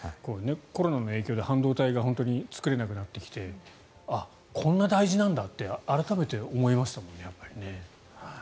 コロナの影響で半導体が作れなくなってきてあっ、こんなに大事なんだって改めて思いましたもんね。